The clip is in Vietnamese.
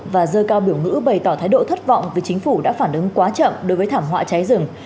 và dơ cao biểu ngữ bày tỏ thái độ thất vọng vì chính phủ đã phản ứng quá chậm đối với thảm họa cháy rừng